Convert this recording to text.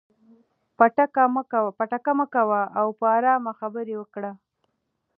پټکه مه کوه او په ارامه خبرې وکړه.